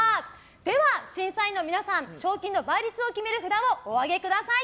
では、審査員の皆さん賞金の倍率を決める札をお上げください。